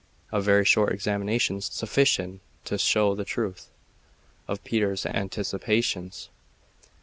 A very short examination sufficed to show the truth of Peter's anticipations.